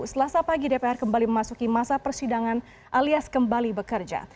selasa pagi dpr kembali memasuki masa persidangan alias kembali bekerja